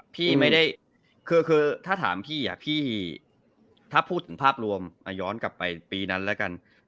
พี่ไม่ได้คือถ้าถามพี่พี่ถ้าพูดถึงภาพรวมย้อนกลับไปปีนั้นแล้วกัน